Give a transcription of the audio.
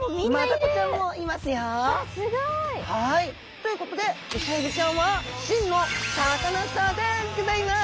ということでイセエビちゃんは真のサカナスターでギョざいます。